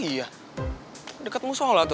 oh iya deket musola tuh